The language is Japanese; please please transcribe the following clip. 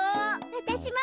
わたしも。